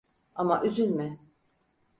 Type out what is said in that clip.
Ama üzülme.